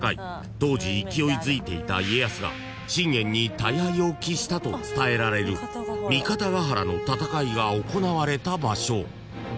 当時勢いづいていた家康が信玄に大敗を喫したと伝えられる三方ヶ原の戦いが行われた場所］